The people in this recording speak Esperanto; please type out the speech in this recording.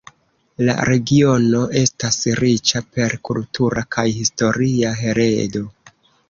La regiono estas riĉa per kultura kaj historia heredo.